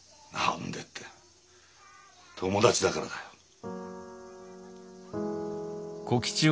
何でって友達だからだよ。